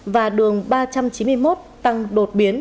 và đường ba trăm chín mươi một tăng đột biến